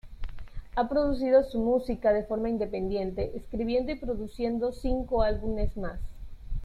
Ha producido su música de forma independiente, escribiendo y produciendo cinco álbumes más.